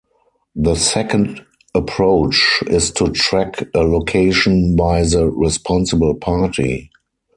The second approach is to track a location by the "responsible party".